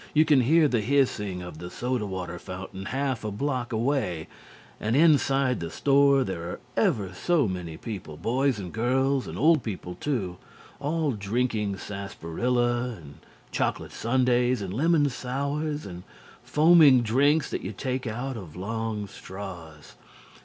You can hear the hissing of the soda water fountain half a block away, and inside the store there are ever so many people boys and girls and old people too all drinking sarsaparilla and chocolate sundaes and lemon sours and foaming drinks that you take out of long straws.